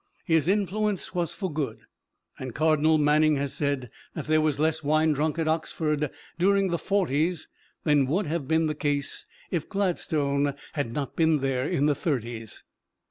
His influence was for good, and Cardinal Manning has said that there was less wine drunk at Oxford during the Forties than would have been the case if Gladstone had not been there in the Thirties.